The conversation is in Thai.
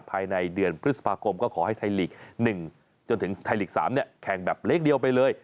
ภายในเดือนพฤษภาคมก็ขอให้ไทยลีก๑จนถึงไทยลีก๓แข่งแบบเลขเดียวไปเลย